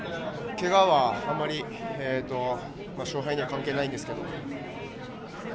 けがは、あまり勝敗には関係ないんですけど。